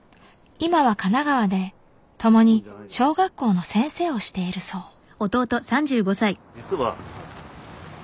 今は神奈川でともに小学校の先生をしているそう。